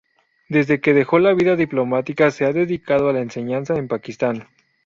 Desde que dejó la vida diplomática se ha dedicado a la enseñanza en Pakistán.